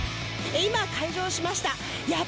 今、開場しました。